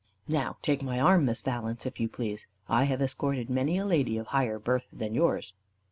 "Now take my arm, Miss Valence, if you please. I have escorted many a lady of higher birth than yours."